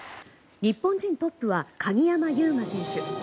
日本人トップは鍵山優真選手。